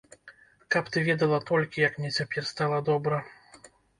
Каб ты ведала толькі, як мне цяпер стала добра!